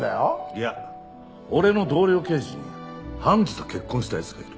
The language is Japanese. いや俺の同僚刑事に判事と結婚した奴がいる。